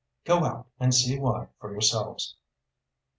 Go out and see why for yourselves.